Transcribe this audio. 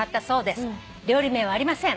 「料理名はありません」